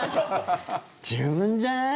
十分じゃない？